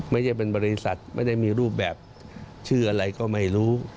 ไม่ได้เป็นบริษัทไม่ได้มีรูปแบบชื่ออะไรก็ไม่รู้